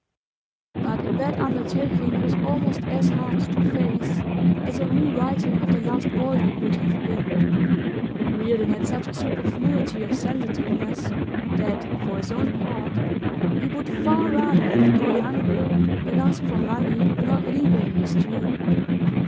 But that undertaking was almost as hard to face as a rewriting of the last volume would have been. Reardon had such superfluity of sensitiveness that, for his own part, he would far rather have gone hungry than ask for money not legally his due.